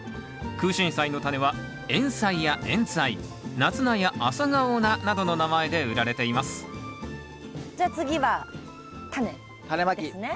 クウシンサイのタネは「エンサイ」や「エンツァイ」「夏菜」や「アサガオナ」などの名前で売られていますじゃあ次はタネですね。